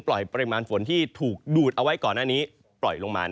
ปริมาณฝนที่ถูกดูดเอาไว้ก่อนหน้านี้ปล่อยลงมา